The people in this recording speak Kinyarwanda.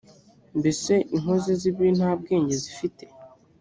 mbese inkozi z’ibibi nta bwenge zifite‽